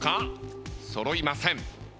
揃いません。